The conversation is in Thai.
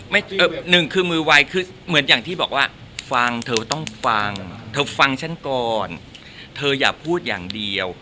หนึ่งคือมือวัยคือเหมือนอย่างที่บอกว่าฟังเธอต้องฟังเธอฟังฉันก่อนเธออย่าพูดอย่างเดียว